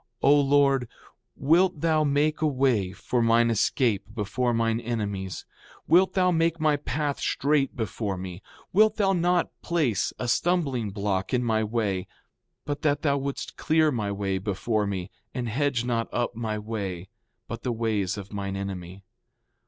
O Lord, wilt thou make a way for mine escape before mine enemies! Wilt thou make my path straight before me! Wilt thou not place a stumbling block in my way—but that thou wouldst clear my way before me, and hedge not up my way, but the ways of mine enemy.